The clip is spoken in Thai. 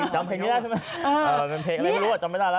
จำเพลงนี้ได้ใช่ไหมเป็นเพลงอะไรไม่รู้จำไม่ได้แล้ว